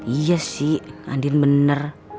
iya sih andin bener